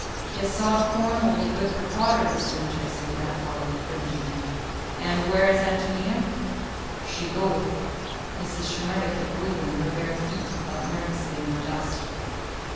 "His sod corn will be good for fodder this winter," said grandfather encouragingly. "And where is Ántonia?" "She go with." Mrs. Shimerda kept wiggling her bare feet about nervously in the dust.